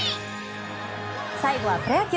最後はプロ野球。